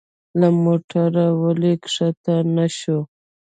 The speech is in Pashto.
له موټره ولي کښته نه شو؟